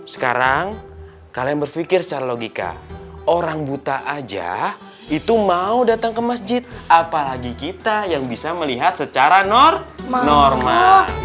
sekarang kalian berpikir secara logika orang buta aja itu mau datang ke masjid apalagi kita yang bisa melihat secara normal